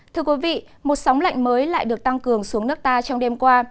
thưa quý vị một sóng lạnh mới lại được tăng cường xuống nước ta trong đêm qua